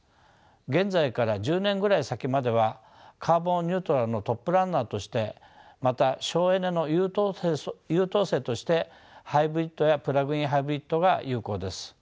現在から１０年ぐらい先まではカーボン・ニュートラルのトップランナーとしてまた省エネの優等生としてハイブリッドやプラグイン・ハイブリッドが有効です。